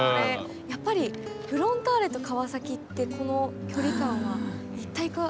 やっぱりフロンターレと川崎ってこの距離感は一体化されてますよね。